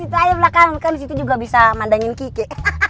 udah kita belakang kan disitu juga bisa mandangin kiki